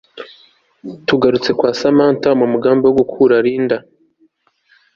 Tugarutse kwa Samantha umugambi wo gukura Linda